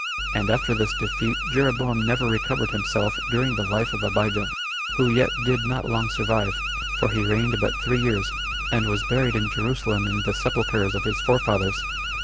And after this defeat Jeroboam never recovered himself during the life of Abijah, who yet did not long survive, for he reigned but three years, and was buried in Jerusalem in the sepulchers of his forefathers.